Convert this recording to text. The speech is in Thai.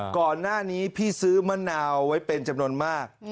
ก่อนหน้านี้พี่ซื้อมะนาวไว้เป็นจำนวนมาก